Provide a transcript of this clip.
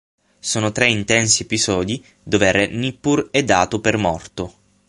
Sono tre intensi episodi dove re Nippur è dato per morto.